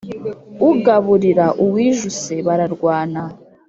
Ugaburira uwijuse bararwana.